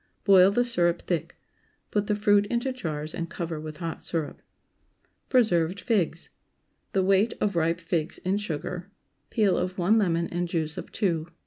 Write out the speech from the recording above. Boil the syrup thick. Put the fruit into jars and cover with hot syrup. PRESERVED FIGS. ✠ The weight of ripe figs in sugar. Peel of one lemon and juice of two.